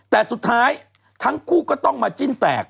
แต่สุดท้ายทั้งคู่ก็ต้องมาจิ้นแตก